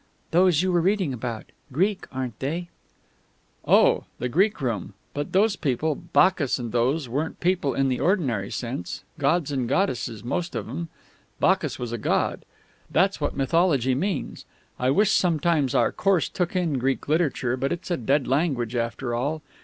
"Those you were reading about. Greek, aren't they?" "Oh, the Greek room!... But those people, Bacchus and those, weren't people in the ordinary sense. Gods and goddesses, most of 'em; Bacchus was a god. That's what mythology means. I wish sometimes our course took in Greek literature, but it's a dead language after all.